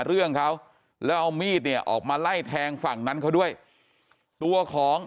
เรื่องเขาแล้วเอามีดเนี่ยออกมาไล่แทงฝั่งนั้นเขาด้วยตัวของ